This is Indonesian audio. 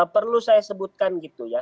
perlu saya sebutkan gitu ya